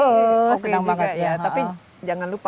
asli juga ya tapi jangan lupa